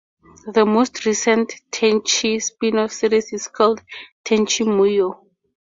The most recent "Tenchi" spin-off series is called "Tenchi Muyo!